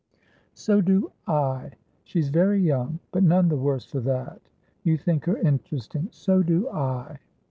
"So do I. She's very young, but none the worse for that. You think her interesting. So do I."